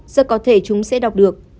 rất có thể chúng sẽ đọc được